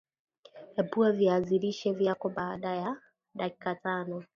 Epua viazilishe vyako baada ya dakika tano